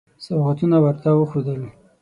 سوغاتونه ورته وښودل.